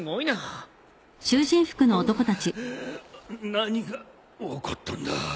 何が起こったんだ？